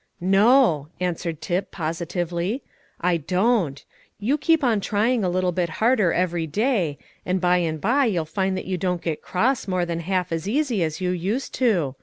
"No," answered Tip positively, "I don't. You keep on trying a little bit harder every day, and by and by you'll find that you don't get cross more than half as easy as you used to.